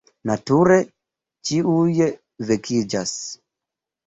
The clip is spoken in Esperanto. Nature, ĉiuj vekiĝas.